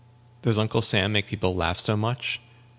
Does Uncle Sam make people laugh so much?